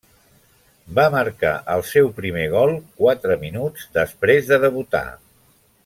Va marcar el seu primer gol quatre minuts després de debutar.